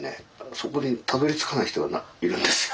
そこにたどりつかない人がいるんですよ。